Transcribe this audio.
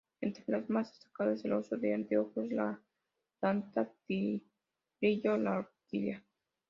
Entre las más destacadas el oso de anteojos, la danta, tigrillo, la orquídea.